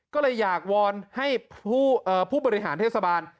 ก็เลยอยากวอนให้ผู้บริหารเทศบาล